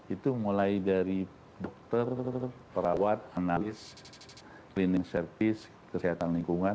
itu mulai dari dokter perawat analis cleaning service kesehatan lingkungan